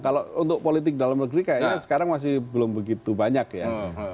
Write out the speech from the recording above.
kalau untuk politik dalam negeri kayaknya sekarang masih belum begitu banyak ya